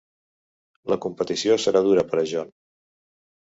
La competició serà dura per a John.